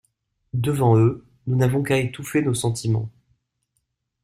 Devant eux, nous n'avons qu'à étouffer nos sentiments!